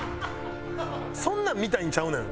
そんなん見たいんちゃうねん。